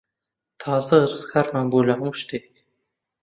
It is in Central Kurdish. تازە ڕزگارمان بوو لە هەموو شتێک.